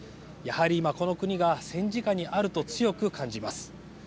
やはり、今、この国が戦時下にあると強く感じます。